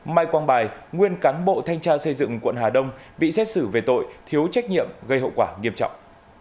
mai quang bài nguyên cán bộ thanh tra xây dựng quận hà đông bị xét xử về tội thiếu trách nhiệm gây hậu quả nghiêm trọng